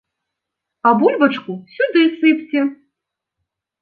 А бульбачку сюды сыпце!